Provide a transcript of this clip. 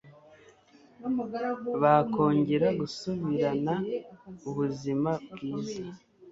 bakongera gusubirana ubuzima bwiza